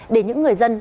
để những người dân